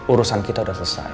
urusan kita udah selesai